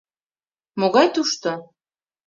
— Могай тушто!..